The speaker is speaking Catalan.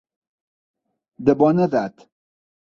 De bona edat.